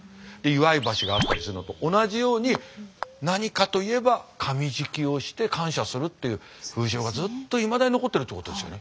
祝い箸があったりするのと同じように何かといえば神喰をして感謝するという風習がずっといまだに残っているということですよね。